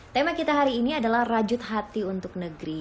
tema kita hari ini adalah rajut hati untuk negeri